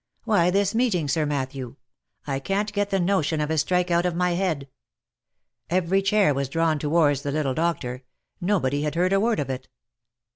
""Why this meeting, Sir Matthew. I can't get the notion of a strike out of my head." Every chair was drawn towards the little doctor : no body had heard a word of it.